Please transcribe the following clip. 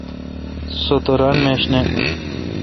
سو تہ ران میش نہ۔